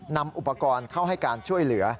นำอุปกรณ์เข้าให้การช่วยเหลือ